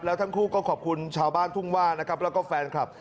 แล้วทั้งคู่ก็ขอบคุณชาวบ้านทุ่งว่านะครับแล้วก็แฟนคลับ